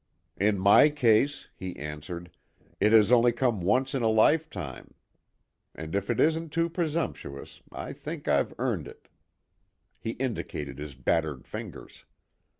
"In my case," he answered, "it has only come once in a lifetime, and if it isn't too presumptuous, I think I've earned it." He indicated his battered fingers.